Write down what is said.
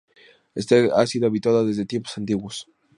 Szeged ha sido habitada desde tiempos antiguos.